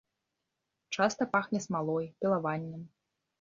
Часта пахне смалой, пілавіннем.